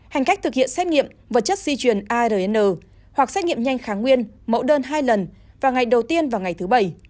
hành khách thực hiện xét nghiệm vật chất di truyền arn hoặc xét nghiệm nhanh kháng nguyên mẫu đơn hai lần vào ngày đầu tiên vào ngày thứ bảy